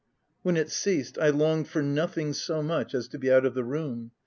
When it ceased, I longed for nothing so much as to be out of the room.